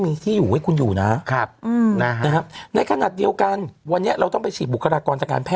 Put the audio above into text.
มีที่อยู่ให้คุณอยู่นะครับในขณะเดียวกันวันนี้เราต้องไปฉีดบุคลากรทางการแพท